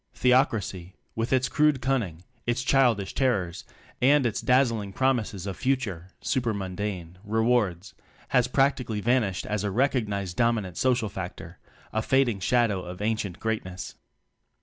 Theocracy, with its crude cunning, its childish terrors and its dazzling promises of future (super mundane) rewards, has practically vanished as a recognized dominant social factor a fading shadow of ancient greatness.